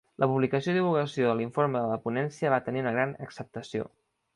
La publicació i divulgació de l'Informe de la Ponència va tenir una gran acceptació.